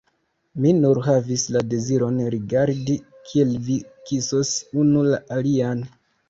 Mi nur havis la deziron rigardi, kiel vi kisos unu la alian.